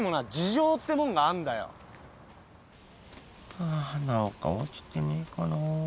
ハァ何か落ちてねえかなぁ